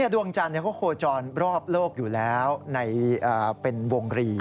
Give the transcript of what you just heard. ดวงจันทร์เขาโคจรรอบโลกอยู่แล้วเป็นวงรี